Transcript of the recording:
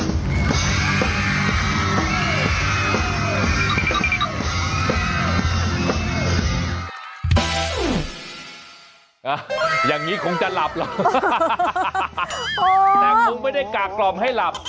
อ่ะอย่างงี้คงจะหลับเหรอแต่มึงไม่ได้กากกรอบให้หลับ